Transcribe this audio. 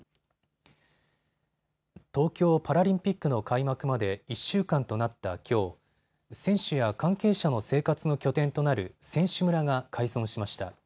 東京パラリンピックの開幕まで１週間となったきょう、選手や関係者の生活の拠点となる選手村が開村しました。